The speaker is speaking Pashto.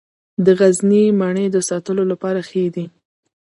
د غزني مڼې د ساتلو لپاره ښې دي.